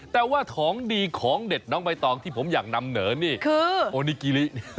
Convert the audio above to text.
แต่ว่าของดีของเด็ดน้องใบตองที่ผมอยากนำเหนอนี่คือโอนิกิริ